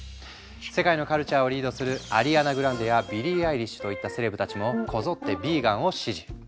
世界のカルチャーをリードするアリアナ・グランデやビリー・アイリッシュといったセレブたちもこぞってヴィーガンを支持。